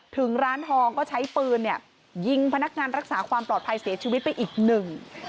ถึงร้านทองก็ใช้ปืนเนี่ยยิงพนักงานรักษาความปลอดภัยเสียชีวิตไปอีกหนึ่ง